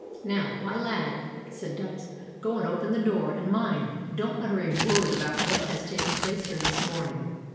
"Now, my lad," said Dykes, "go and open the door, and mind and don't utter a word about what has taken place here this morning."